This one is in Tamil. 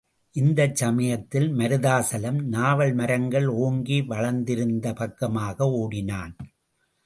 இந்தச் சமயத்தில் மருதாசலம் நாவல் மரங்கள் ஓங்கி வளர்ந்திருந்த பக்கமாக ஓடினான்.